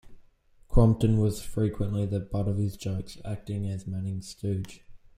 Crompton was frequently the butt of his jokes, acting as Manning's stooge.